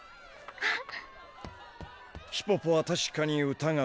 あっ。